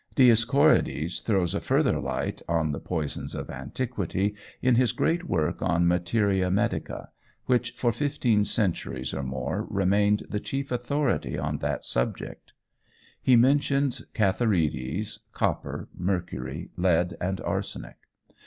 Dioscorides throws a further light on the poisons of antiquity in his great work on Materia Medica, which for fifteen centuries or more remained the chief authority on that subject. He mentions cantharides, copper, mercury, lead, and arsenic.